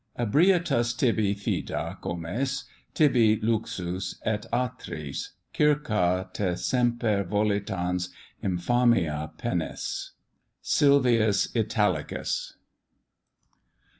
Ebrietas tibi fida comes, tibi Luxus, et atris Circa te semper volitans Infamia pennis. SILVIUS ITALICUS.